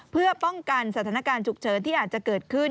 เพื่อป้องกันสถานการณ์ฉุกเฉินที่อาจจะเกิดขึ้น